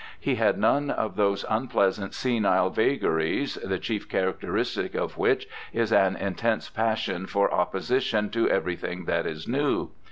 He had none of those unpleasant senile vagaries, the chief characteristic of which is an intense passion for opposition to everything that is new.